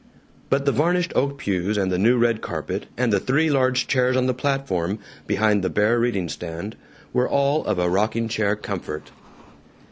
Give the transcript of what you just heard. But the varnished oak pews and the new red carpet and the three large chairs on the platform, behind the bare reading stand, were all of a rocking chair comfort.